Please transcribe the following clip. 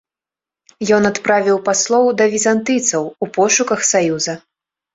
Ён адправіў паслоў да візантыйцаў у пошуках саюза.